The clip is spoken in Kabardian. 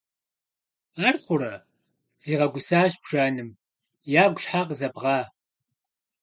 - Ар хъурэ! - зигъэгусащ бжэным. - Ягу щхьэ къызэбгъа?